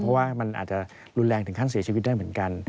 เพราะว่ามันอาจจะรุนแรงถึงขั้นเสียชีวิตได้เหมือนกัน